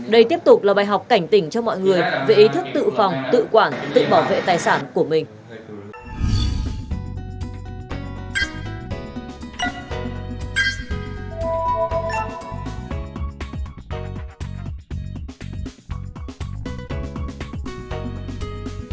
đây tiếp tục là bài học cảnh tỉnh cho mọi người về ý thức tự phòng tự quản tự bảo vệ tài sản của mình